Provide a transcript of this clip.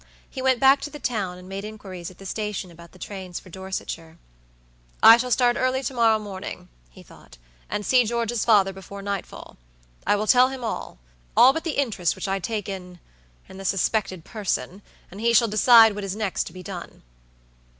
He went back to the town, and made inquiries at the station about the trains for Dorsetshire. "I shall start early to morrow morning," he thought, "and see George's father before nightfall. I will tell him allall but the interest which I take inin the suspected person, and he shall decide what is next to be done."